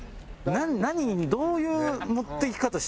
何にどういう持っていき方してる？